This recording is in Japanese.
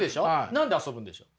何で遊ぶんでしょう？